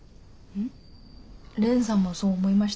うん。